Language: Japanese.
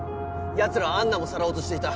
ヤツらはアンナもさらおうとしていた。